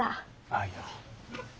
あっいや。